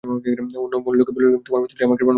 অমূল্যকে বললুম, তোমার পিস্তলটি আমাকে প্রণামী দিতে হবে।